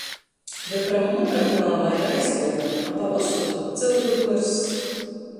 Vepram Onupram klāvā ir aizgolda, a pa vosoru — cyuku duorzs.